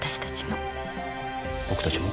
僕たちも？